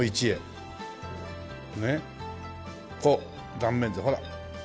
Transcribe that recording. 断面図ほら。